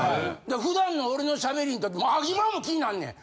普段の俺のしゃべりん時も今も気になんねん。